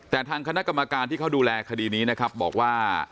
แต่ทางคณะกรรมการที่เขาดูแลคดีนี้นะครับบอกว่า